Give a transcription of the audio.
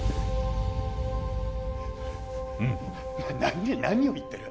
うん何何を言ってる